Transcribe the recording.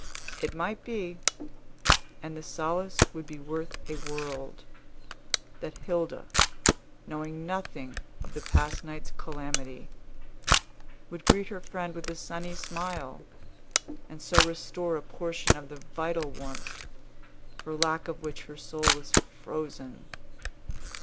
It might be and the solace would be worth a world that Hilda, knowing nothing of the past night's calamity, would greet her friend with a sunny smile, and so restore a portion of the vital warmth, for lack of which her soul was frozen.